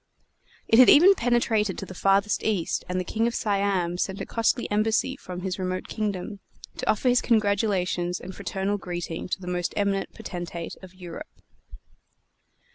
It had even penetrated to the farthest East; and the King of Siam sent a costly embassy from his remote kingdom, to offer his congratulations and fraternal greeting to the most eminent potentate of Europe.